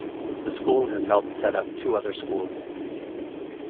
The school has helped set up two other schools.